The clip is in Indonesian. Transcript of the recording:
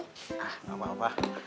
nah gak apa apa